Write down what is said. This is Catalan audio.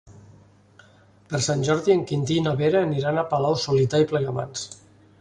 Per Sant Jordi en Quintí i na Vera aniran a Palau-solità i Plegamans.